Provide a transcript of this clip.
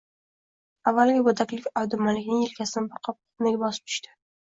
Avvaliga bu taklif Abdumalikning elkasini bir qop qumdek bosib tushdi